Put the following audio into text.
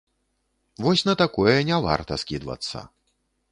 Вось на такое не варта скідвацца.